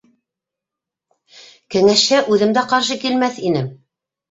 Кәңәшһә, үҙем дә ҡаршы килмәҫ инем.